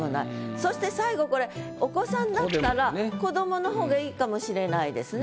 そして最後これお子さんだったら子どもの方がいいかもしれないですね。